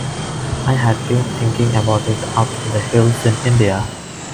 I had been thinking about it up in the hills in India.